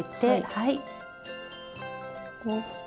はい。